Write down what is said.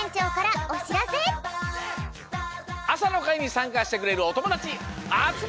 あさのかいにさんかしてくれるおともだちあつまれ！